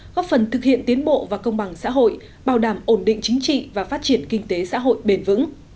góp phần thực hiện tiến bộ và công bằng xã hội bảo đảm ổn định chính trị và phát triển kinh tế xã hội bền vững